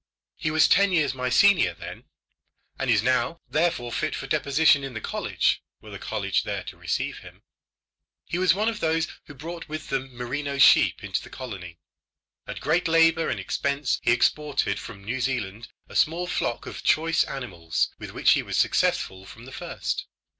He was ten years my senior then, and is now therefore fit for deposition in the college were the college there to receive him. He was one of those who brought with them merino sheep into the colony. At great labour and expense he exported from New Zealand a small flock of choice animals, with which he was successful from the first.